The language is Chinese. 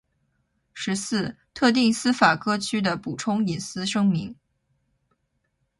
十四、特定司法辖区的补充隐私声明